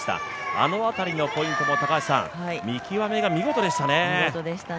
あのあたりのポイントも見極めが見事でしたね。